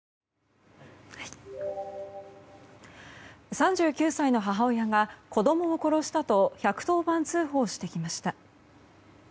３９歳の母親が子供を殺したと１１０番通報してきました。